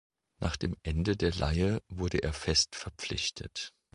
Nach dem Ende der Leihe wurde er fest verpflichtet.